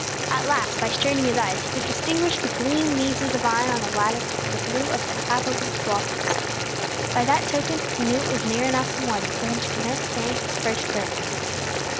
At last, by straining his eyes he could distinguish the green leaves of the vine on the lattice from the blue of the half opened blossoms. By that token he knew it was near enough the morning for him to commence saying his first prayers.